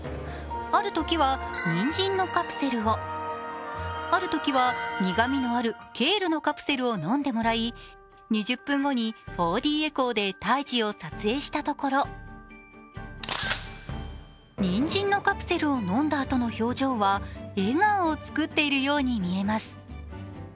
あるときはにんじんのカプセルを、あるときは苦みのあるケールのカプセルを飲んでもらい２０分後に４Ｄエコーで胎児を撮影したところ、にんじんのカプセルを飲んだあとの表情は笑顔を作っているように見えます。